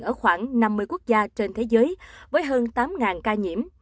ở khoảng năm mươi quốc gia trên thế giới với hơn tám ca nhiễm